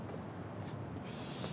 よし。